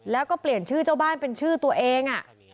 แล้วก็เปลี่ยนชื่อเจ้าบ้านเป็นชื่อตัวเอง